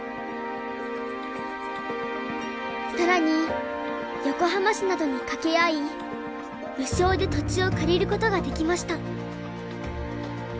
更に横浜市などに掛け合い無償で土地を借りることができました。